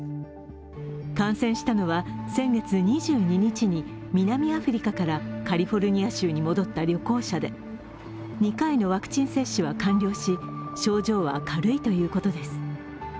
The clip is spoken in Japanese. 感染したのは先月２２日に南アフリカからカリフォルニア州に戻った旅行者で、２回のワクチン接種は完了し症状は軽いということです。